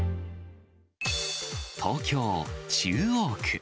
東京・中央区。